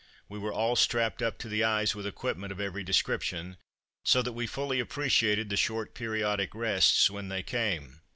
We were all strapped up to the eyes with equipment of every description, so that we fully appreciated the short periodic rests when they came.